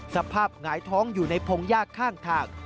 หงายท้องอยู่ในพงยากข้างทาง